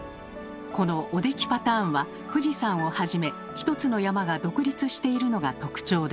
この「おできパターン」は富士山をはじめひとつの山が独立しているのが特徴です。